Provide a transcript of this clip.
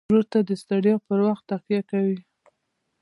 ورور ته د ستړیا پر وخت تکیه کوي.